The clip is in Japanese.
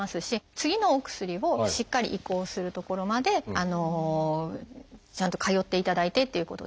次のお薬をしっかり移行するところまでちゃんと通っていただいてっていうことですね。